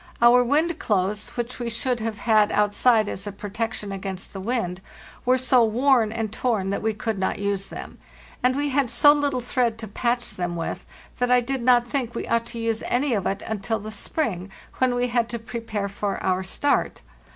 Our wind clothes, which we should have had outside as a protection against the wind, were so worn and torn that we could not use them; and we had so little thread to patch them with that I did not think we ought to use any of it until the spring, when we had to prepare for our start.